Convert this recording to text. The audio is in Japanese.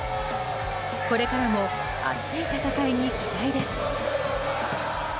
これからも熱い戦いに期待です。